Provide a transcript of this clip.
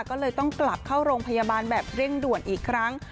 ก็เลยต้องกลับเข้าโรงพยาบาลแบบเร่งด่วนอีกครั้ง